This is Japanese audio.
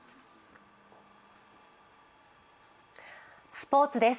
スポーツです。